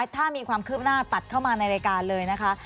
ถ้ามีความคืบหน้าตัดเข้ามาในรายการเลยนะคะ